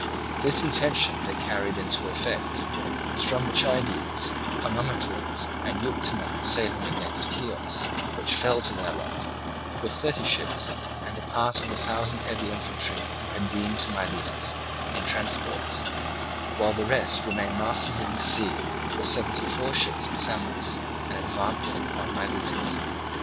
This intention they carried into effect; Strombichides, Onamacles, and Euctemon sailing against Chios, which fell to their lot, with thirty ships and a part of the thousand heavy infantry, who had been to Miletus, in transports; while the rest remained masters of the sea with seventy four ships at Samos, and advanced upon Miletus.